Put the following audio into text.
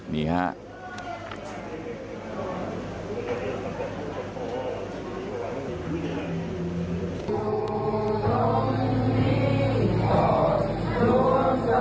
นี่ฮะ